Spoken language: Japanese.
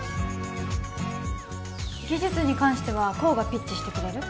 技術に関しては功がピッチしてくれる？